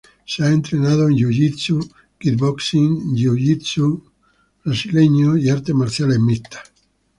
Se ha entrenado en jujutsu, kickboxing, jiu-jitsu brasileño y artes marciales mixtas.